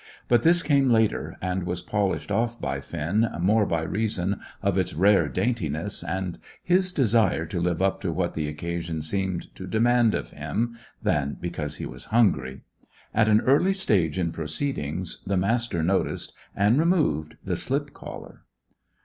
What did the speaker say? But this came later, and was polished off by Finn more by reason of its rare daintiness and his desire to live up to what the occasion seemed to demand of him, than because he was hungry. At an early stage in proceedings the Master noticed, and removed, the slip collar.